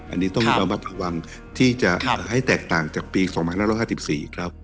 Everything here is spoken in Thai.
อันนี้ต้องระมัดระวังที่จะให้แตกต่างจากปี๒๕๕๔ครับ